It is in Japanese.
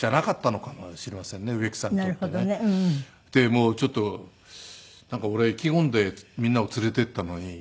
もうちょっとなんか俺意気込んでみんなを連れて行ったのに。